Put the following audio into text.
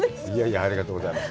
ありがとうございます。